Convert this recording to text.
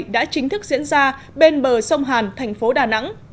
đã chính thức diễn ra bên bờ sông hàn thành phố đà nẵng